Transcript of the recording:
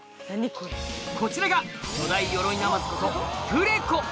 こちらが巨大ヨロイナマズこと